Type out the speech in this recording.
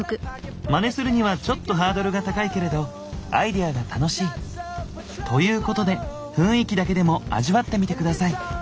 まねするにはちょっとハードルが高いけれどアイデアが楽しい。ということで雰囲気だけでも味わってみて下さい。